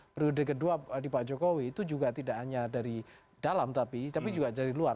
periode kedua di pak jokowi itu juga tidak hanya dari dalam tapi tapi juga dari luar